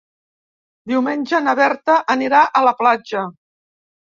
Diumenge na Berta anirà a la platja.